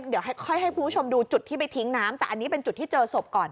เดี๋ยวค่อยให้คุณผู้ชมดูจุดที่ไปทิ้งน้ำแต่อันนี้เป็นจุดที่เจอศพก่อน